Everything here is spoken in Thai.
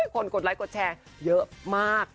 กดไลค์กดแชร์เยอะมาก